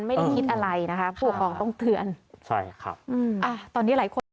ไม่ได้คิดอะไรนะคะผู้ปกครองต้องเตือนใช่ครับอืมอ่ะตอนนี้หลายคน